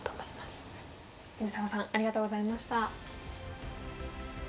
藤沢さんありがとうございました。